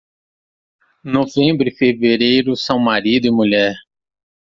Novembro e fevereiro são marido e mulher.